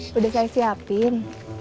sudah saya siapkan